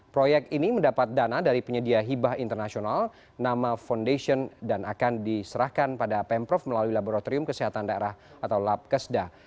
proyek ini mendapat dana dari penyedia hibah internasional nama foundation dan akan diserahkan pada pemprov melalui laboratorium kesehatan daerah atau lab kesda